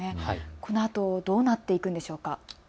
このあとどうなっていくんでしょうか。